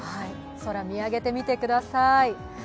空、見上げてみてください。